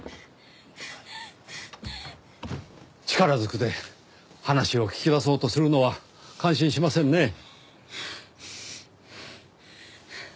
力ずくで話を聞き出そうとするのは感心しませんね。